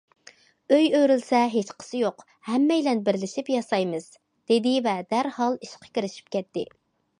ئۆي ئۆرۈلسە ھېچقىسى يوق، ھەممەيلەن بىرلىشىپ ياسايمىز، دېدى ۋە دەرھال ئىشقا كىرىشىپ كەتتى.